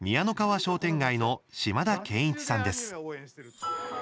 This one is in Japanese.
商店街の島田憲一さんです